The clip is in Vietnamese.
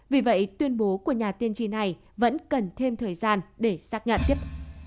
vì vậy tuyên bố của nhà tiên tri này vẫn cần thêm thời gian để xác nhận tiếp